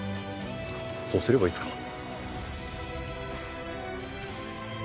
そうすればいつかは。